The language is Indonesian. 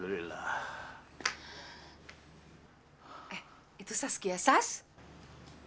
tua when ini sangat membenoooskan untuk anda